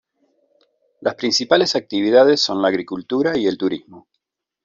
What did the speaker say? Las principales actividades son la agricultura y el turismo.